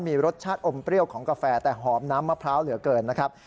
มีรสชาติอมเปรี้ยวของกาแฟแต่หอมน้ำมะพร้าวเหลือเกินนะครับ